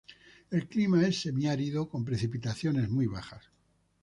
El clima es semiárido con precipitaciones muy bajas.